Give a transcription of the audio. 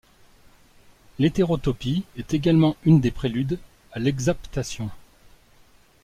L'hétérotopie est également une des préludes à l'exaptation.